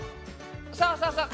そうそうそう。